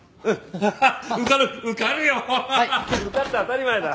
受かって当たり前だ。